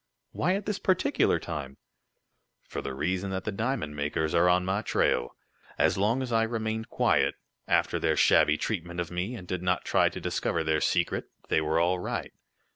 "Why at this particular time?" "For the reason that the diamond makers are on my trail. As long as I remained quiet, after their shabby treatment of me, and did not try to discover their secret, they were all right.